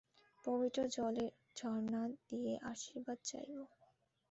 পবিত্র জলের ঝরনা দিয়ে আশীর্বাদ চাইব।